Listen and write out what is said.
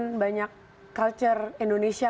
masukin banyak culture indonesia